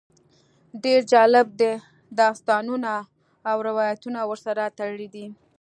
ډېر جالب داستانونه او روایتونه ورسره تړلي دي.